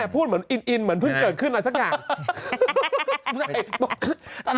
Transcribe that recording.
พูดเหมือนอินเหมือนเพิ่งเกิดขึ้นอะไรสักอย่าง